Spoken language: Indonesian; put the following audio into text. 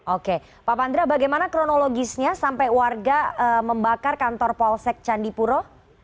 oke pak pandra bagaimana kronologisnya sampai warga membakar kantor polsek candipuro